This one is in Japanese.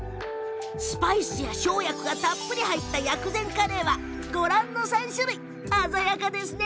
スパイスや生薬がたっぷり入った薬膳カレーはご覧の３種類。